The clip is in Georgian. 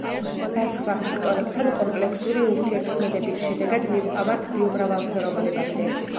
და სხვა ფაქტორებთან კომპლექსური ურთიერთქმედებების შედეგად, მივყავართ ბიომრავალფეროვნებამდე.